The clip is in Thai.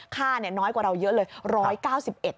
ค่าน้อยกว่าเราเยอะเลย๑๙๑บาท